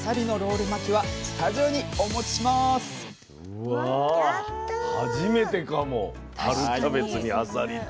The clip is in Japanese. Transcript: うわ初めてかも春キャベツにあさりってね。